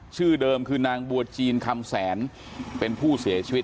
ชื่อเดิมคือนางบัวจีนคำแสนเป็นผู้เสียชีวิต